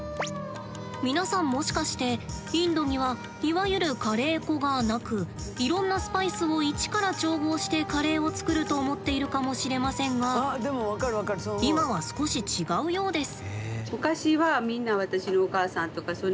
皆さんもしかしてインドにはいわゆるカレー粉がなくいろんなスパイスを一から調合してカレーを作ると思っているかもしれませんが今は少し違うようです。